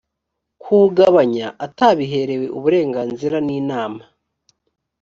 kuwugabanya atabiherewe uburenganzira n inama